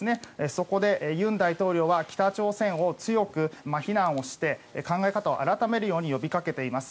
そこで尹大統領は北朝鮮を強く非難をして考え方を改めるように呼びかけています。